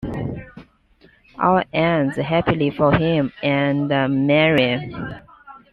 All ends happily for him and Marianne.